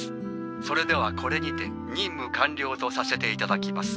それではこれにて任務完了とさせていただきます。